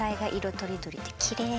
とりどりできれい。